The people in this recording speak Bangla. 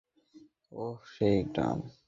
ওহ, সেই গ্রাম!